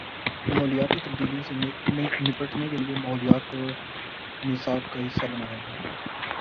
ماحولیاتی تبدیلیوں سے نمٹنے کے لیے ماحولیات کو نصاب کا حصہ بنایا جائے۔